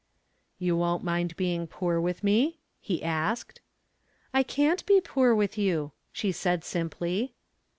"You won't mind being poor with me?" he asked. "I can't be poor with you," she said simply.